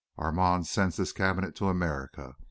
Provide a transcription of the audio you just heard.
Armand sends this cabinet to America.